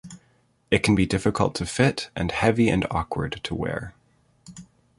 It can be difficult to fit and heavy and awkward to wear.